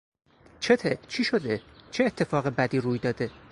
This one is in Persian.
چته؟، چی شده؟، چه اتفاق بدی روی داده؟